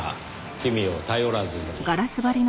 君を頼らずに。